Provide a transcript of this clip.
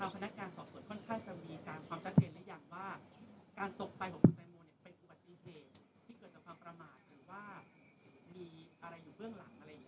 หรือว่ามีอะไรอยู่เบื้องหลังอะไรอย่างนี้ครับ